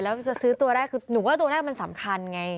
แล้วจะซื้อตัวได้คือหนูว่าตัวแรกมันสำคัญไง